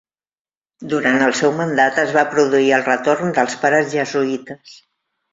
Durant el seu mandat es va produir el retorn dels Pares Jesuïtes.